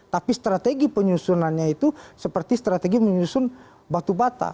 tapi strategi penyusunannya itu seperti strategi menyusun batu bata